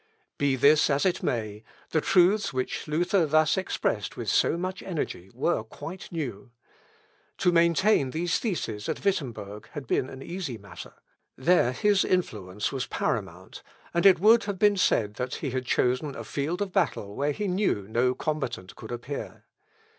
Be this as it may, the truths which Luther thus expressed with so much energy were quite new. To maintain these theses at Wittemberg had been an easy matter. There his influence was paramount, and it would have been said that he had chosen a field of battle where he knew no combatant could appear.